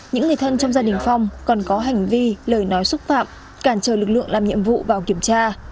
những người thân trong gia đình phong còn có hành vi lời nói xúc phạm cản trở lực lượng làm nhiệm vụ vào kiểm tra